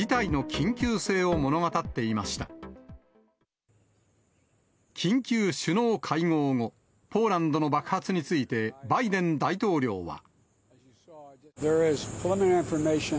緊急首脳会合後、ポーランドの爆発についてバイデン大統領は。